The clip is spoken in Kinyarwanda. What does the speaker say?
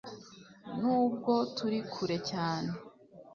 nubwo turi kure cyane